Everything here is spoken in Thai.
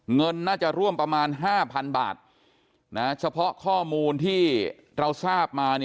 เงินน่าจะร่วมประมาณ๕๐๐๐บาทเฉพาะข้อมูลที่เราทราบมา